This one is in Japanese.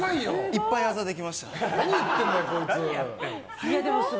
いっぱいあざができましたよ。